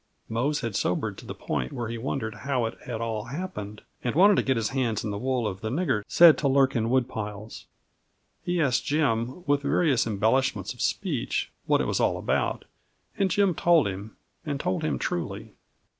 Mose had sobered to the point where he wondered how it had all happened, and wanted to get his hands in the wool of the "nigger" said to lurk in woodpiles. He asked Jim, with various embellishments of speech, what it was all about, and Jim told him and told him truly.